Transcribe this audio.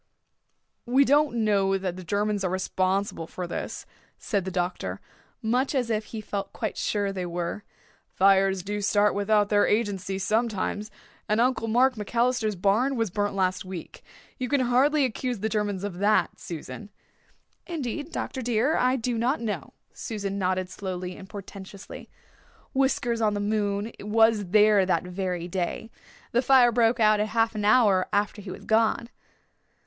"We don't know that the Germans are responsible for this," said the doctor much as if he felt quite sure they were. "Fires do start without their agency sometimes. And Uncle Mark MacAllister's barn was burnt last week. You can hardly accuse the Germans of that, Susan." "Indeed, Dr. dear, I do not know." Susan nodded slowly and portentously. "Whiskers on the moon was there that very day. The fire broke out half an hour after he was gone.